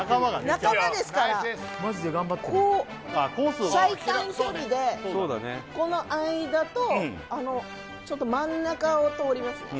仲間ですからこう最短距離でこの間とあのちょっと真ん中を通りますね